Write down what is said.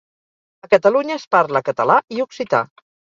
A Catalunya es parla català i occità.